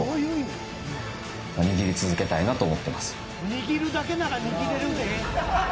握るだけなら握れるで。